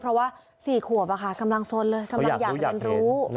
เพราะว่า๔ขวบกำลังสนเลยกำลังอยากเรียนรู้